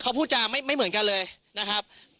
เขาพูดจาไม่เหมือนกันเลยนะครับ